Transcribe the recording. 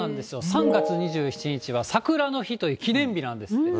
３月２７日は、さくらの日という記念日なんです。